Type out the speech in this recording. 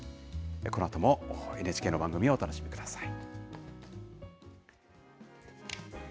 このあともＮＨＫの番組をお楽しみください。